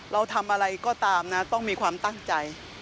เราทำอะไรก็ตามนะต้องมีความตั้งใจ